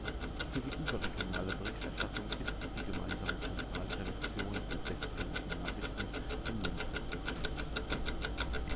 Für die überregionale Berichterstattung ist die gemeinsame Zentralredaktion der "Westfälischen Nachrichten" in Münster zuständig.